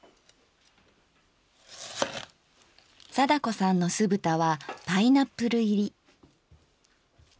貞子さんのすぶたはパイナップル入り。